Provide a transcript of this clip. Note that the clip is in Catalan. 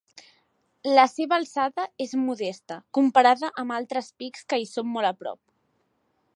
La seva alçada és modesta, comparada amb altres pics que hi són molt a prop.